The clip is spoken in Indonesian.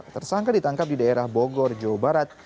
tersangka ditangkap di daerah bogor jawa barat